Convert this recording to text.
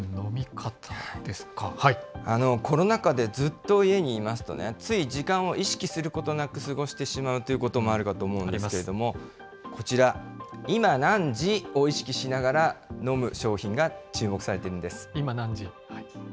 コロナ禍でずっと家にいますとね、つい時間を意識することなく、過ごしてしまうということもあるかと思うんですけれども、こちら、今何時を意識しながら飲む商品が注目されているんです。